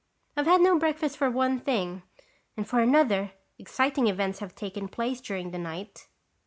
"I've had no breakfast for one thing. And for another, exciting events have taken place during the night."